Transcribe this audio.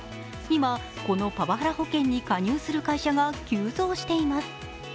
今、このパワハラ保険に加入する会社が急増しています。